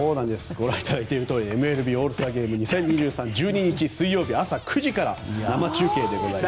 ご覧いただいているとおりＭＬＢオールスターゲーム２０２３１２日、水曜日朝９時から生中継です。